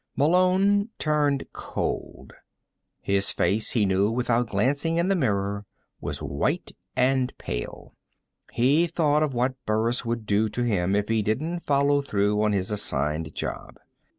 Malone turned cold. His face, he knew without glancing in the mirror, was white and pale. He thought of what Burris would do to him if he didn't follow through on his assigned job.